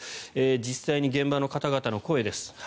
実際に現場の方々の声です。